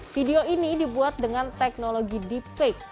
video ini dibuat dengan teknologi deeplik